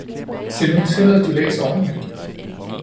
Se nu til, at du læser ordentligt!